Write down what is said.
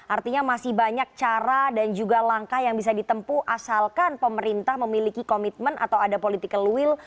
artinya masih banyak cara dan juga langkah yang bisa ditempu asalkan pemerintah memiliki komitmen atau ada political will